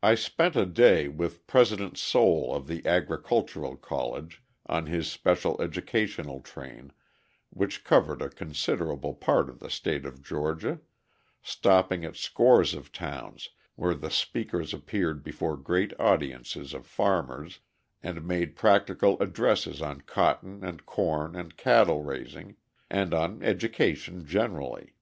I spent a day with President Soule of the Agricultural College, on his special educational train, which covered a considerable part of the state of Georgia, stopping at scores of towns where the speakers appeared before great audiences of farmers and made practical addresses on cotton and corn and cattle raising, and on education generally.